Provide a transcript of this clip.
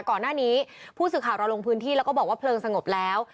ก่อนหน้านี้ผู้สื่อข่าวเราลงพื้นที่แล้วก็บอกว่าเพลิงสงบแล้ว